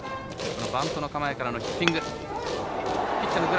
バントの構えからのヒッティング。